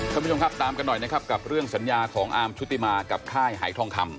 ท่านผู้ชมครับตามกันหน่อยนะครับกับเรื่องสัญญาของอาร์มชุติมากับค่ายหายทองคำ